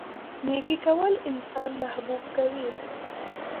نیکي کول انسان محبوب کوي.